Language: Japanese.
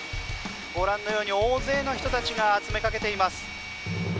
ご覧のように大勢の人たちが詰めかけています。